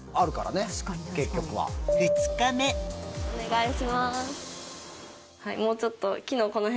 お願いします。